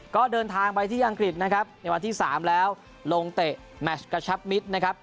ก็เดินทางไปที่อังกฤษนะครับในวันที่๓แล้วลงเตะแมชกระชับมิตรนะครับ